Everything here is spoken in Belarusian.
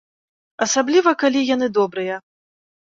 Асабліва, калі яны добрыя.